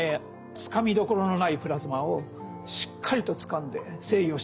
つかみどころのないプラズマをしっかりとつかんで制御していく。